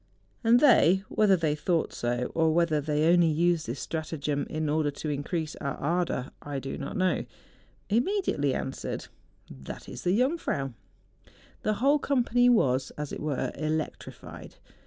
And they—whether they thought so, or whether they only used this stratagem in order to increase our ardour, I do not know — immediately answered, ' That is the Jungfrau !' The whole company was, as it were, electrified.